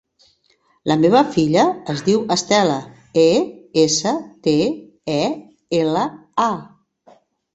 La meva filla es diu Estela: e, essa, te, e, ela, a.